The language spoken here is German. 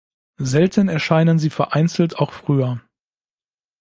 Selten erscheinen sie vereinzelt auch früher.